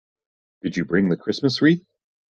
Did you bring the Christmas wreath?